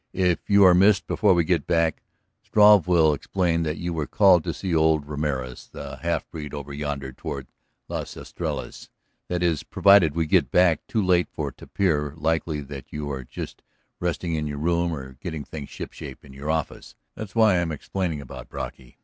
If you are missed before we get back Struve will explain that you were called to see old Ramorez, a half breed over yonder toward Las Estrellas. That is, provided we get back too late for it to appear likely that you are just resting in your room or getting things shipshape in your office. That's why I am explaining about Brocky."